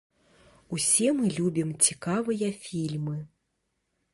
Усе мы любім цікавыя фільмы.